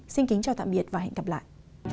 xin kính chào tạm biệt và hẹn gặp lại